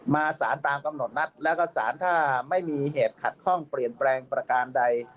สารตามกำหนดนัดแล้วก็สารถ้าไม่มีเหตุขัดข้องเปลี่ยนแปลงประการใด